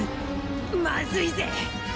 まずいぜィ